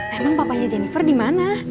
emang papanya jennifer dimana